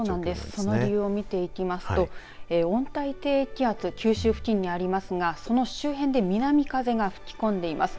その理由を見ていきますと温帯低気圧九州付近にありますがその周辺で南風が吹き込んでいます。